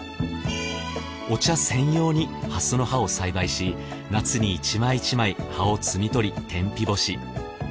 お茶専用に蓮の葉を栽培し夏に一枚一枚葉を摘み取り天日干し。